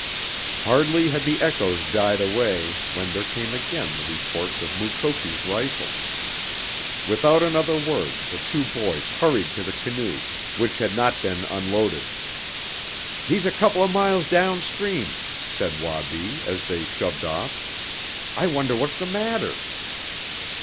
Hardly had the echoes died away when there came again the reports of Mukoki's rifle. Without another word the two boys hurried to the canoe, which had not been unloaded. "He's a couple of miles down stream," said Wabi, as they shoved off. "I wonder what's the matter?"